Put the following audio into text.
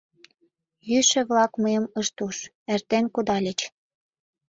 Йӱшӧ-влак мыйым ышт уж, эртен кудальыч.